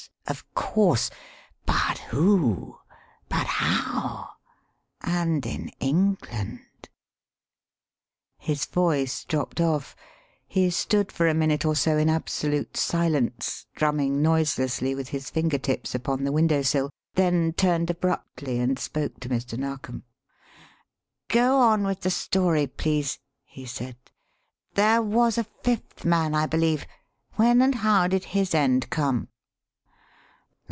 Of course! But who? But how? And in England?" His voice dropped off. He stood for a minute or so in absolute silence, drumming noiselessly with his finger tips upon the window sill, then turned abruptly and spoke to Mr. Narkom. "Go on with the story, please," he said. "There was a fifth man, I believe. When and how did his end come?"